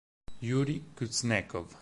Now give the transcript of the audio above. Jurij Kuznecov